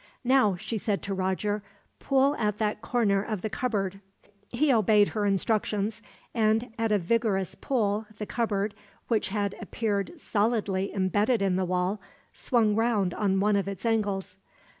"Now," she said to Roger; "pull at that corner of the cupboard." He obeyed her instructions, and at a vigorous pull the cupboard, which had appeared solidly embedded in the wall, swung round on one of its angles.